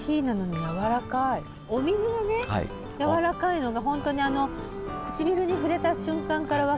お水がねやわらかいのがホントにあの唇に触れた瞬間から分かりますよね。